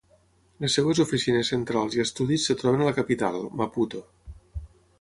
Les seves oficines centrals i estudis es troben a la capital, Maputo.